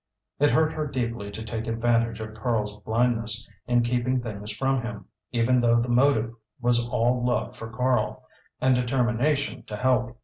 It hurt her deeply to take advantage of Karl's blindness in keeping things from him, even though the motive was all love for Karl, and determination to help.